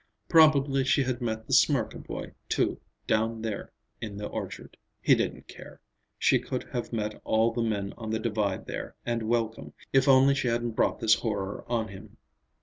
Probably she had met the Smirka boy, too, down there in the orchard. He didn't care. She could have met all the men on the Divide there, and welcome, if only she hadn't brought this horror on him.